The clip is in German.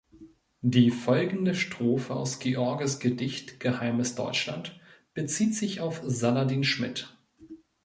Die folgende Strophe aus Georges Gedicht Geheimes Deutschland bezieht sich auf Saladin Schmitt.